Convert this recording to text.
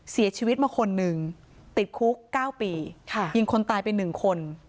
เสียชีวิตมาคนหนึ่งติดคุก๙ปียิงคนตายไป๑คน